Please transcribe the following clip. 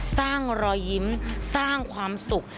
สร้างรอยยิ้มสร้างความสุข